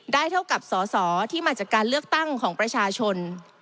เท่ากับสอสอที่มาจากการเลือกตั้งของประชาชน